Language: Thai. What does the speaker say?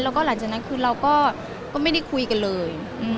แล้วก็หลังจากนั้นคือเราก็ไม่ได้คุยกันเลย